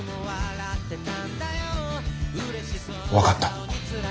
分かった。